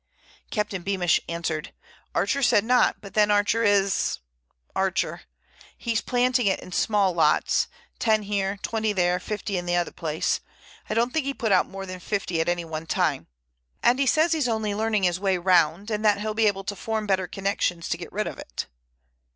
Captain Beamish answered, 'Archer said not, but then Archer is—Archer. He's planting it in small lots—ten here, twenty there, fifty in t'other place; I don't think he put out more than fifty at any one time. And he says he's only learning his way round, and that he'll be able to form better connections to get rid of it.